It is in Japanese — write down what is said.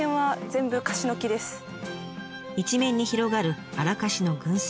一面に広がるアラカシの群生。